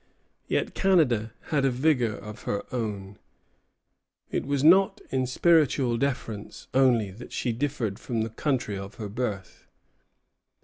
Yet Canada had a vigor of her own. It was not in spiritual deference only that she differed from the country of her birth.